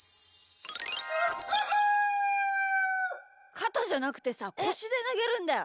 かたじゃなくてさこしでなげるんだよ。